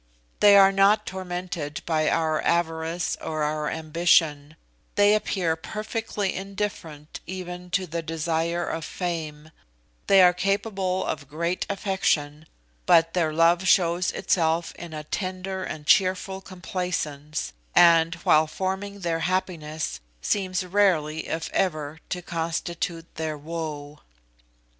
They are not tormented by our avarice or our ambition; they appear perfectly indifferent even to the desire of fame; they are capable of great affection, but their love shows itself in a tender and cheerful complaisance, and, while forming their happiness, seems rarely, if ever, to constitute their woe.